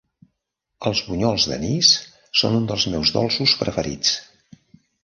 Els bunyols d'anís són un dels meus dolços preferits